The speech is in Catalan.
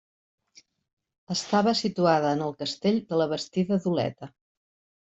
Estava situada en el castell de la Bastida d'Oleta.